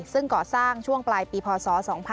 ซึ่งก่อสร้างช่วงปลายปีพศ๒๕๖๒